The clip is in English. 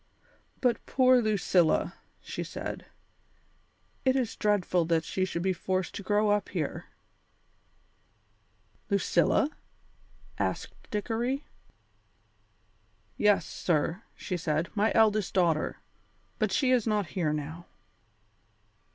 "But poor Lucilla!" she said. "It is dreadful that she should be forced to grow up here." "Lucilla?" asked Dickory. "Yes, sir," she said, "my eldest daughter. But she is not here now."